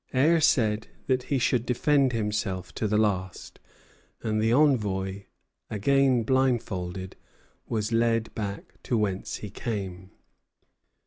Eyre said that he should defend himself to the last; and the envoy, again blindfolded, was led back to whence he came.